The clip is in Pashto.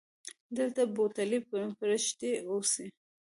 دلته به ټولې پرښتې اوسي.